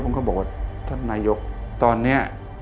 ผมก็บอกว่าท่านนายกตอนนี้